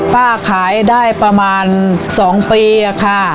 ขายได้ประมาณ๒ปีค่ะ